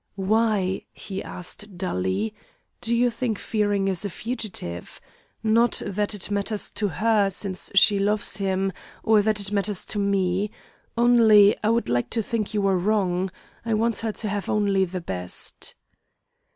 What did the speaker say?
"Why," he asked dully, "do you think Fearing is a fugitive? Not that it matters to her, since she loves him, or that it matters to me. Only I would like to think you were wrong. I want her to have only the best."